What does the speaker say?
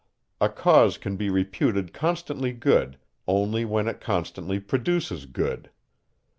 A cause can be reputed constantly good, only when it constantly produces good.